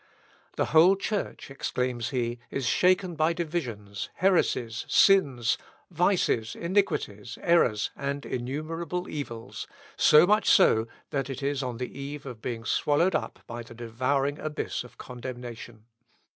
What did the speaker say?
"The whole Church," exclaims he, "is shaken by divisions, heresies, sins, vices, iniquities, errors, and innumerable evils, so much so, that it is on the eve of being swallowed up by the devouring abyss of condemnation.